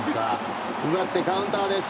奪ってカウンターです。